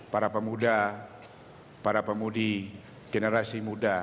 para pemuda para pemudi generasi muda